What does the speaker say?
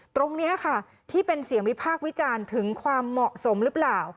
ตรงนี้ค่ะที่เป็นเสียงวิพากษ์วิจารณ์ถึงความเหมาะสมหรือเปล่า